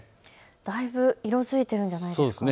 だいぶ色づいているんじゃないですか。